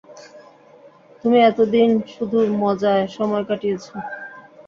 তুমি এতদিন শুধু মজায় সময় কাটিয়েছ।